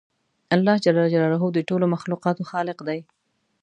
الله جل جلاله د ټولو مخلوقاتو خالق دی